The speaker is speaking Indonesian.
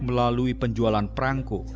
melalui penjualan perangko